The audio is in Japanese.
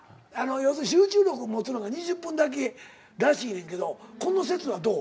要するに集中力持つのが２０分だけらしいねんけどこの説はどう？